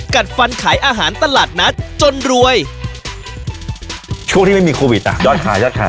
กัดฟันขายอาหารตลาดนัดจนรวยช่วงที่ไม่มีโควิดอ่ะยอดขายยอดขาย